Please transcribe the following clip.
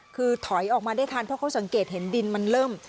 คือถอยออกมาได้ทันเพราะเขาสังเกตเห็นดินมันเริ่ม